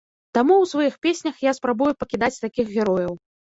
Таму ў сваіх песнях я спрабую пакідаць такіх герояў.